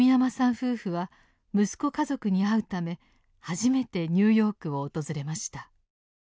夫婦は息子家族に会うため初めてニューヨークを訪れました。